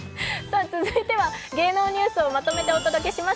続いては芸能ニュースをまとめてお伝えします。